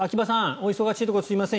お忙しいところすみません